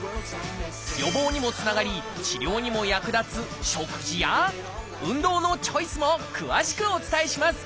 予防にもつながり治療にも役立つ食事や運動のチョイスも詳しくお伝えします。